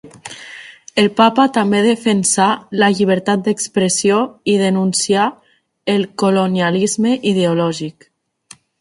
El papa també defensà ‘la llibertat d’expressió’ i denuncià ‘el colonialisme ideològic’.